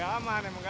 kan aja doang